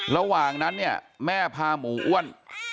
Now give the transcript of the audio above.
ระหว่างนั้นเนี่ยแม่พาหมูอ้วน